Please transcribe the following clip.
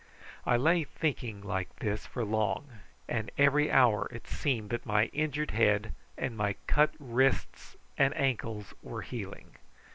I lay thinking like this for long, and every hour it seemed that my injured head and my cut wrists and ankles were healing.